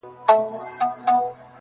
توبه ګاره له توبې یم- پر مغان غزل لیکمه-